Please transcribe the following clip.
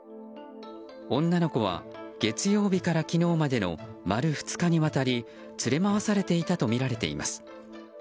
女の子は、月曜日から昨日までの丸２日にわたり連れ回されていたとみられています。